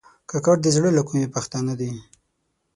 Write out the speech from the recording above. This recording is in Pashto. کاکړ د زړه له کومي پښتانه دي.